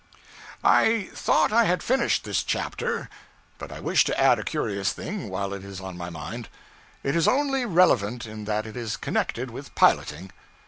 I thought I had finished this chapter, but I wish to add a curious thing, while it is in my mind. It is only relevant in that it is connected with piloting.